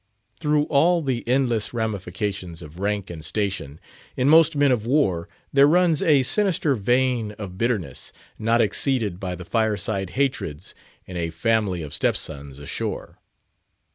Through all the endless ramifications of rank and station, in most men of war there runs a sinister vein of bitterness, not exceeded by the fireside hatreds in a family of stepsons ashore.